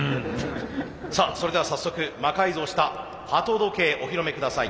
さあそれでは早速魔改造した鳩時計お披露目下さい。